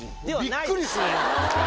びっくりするな。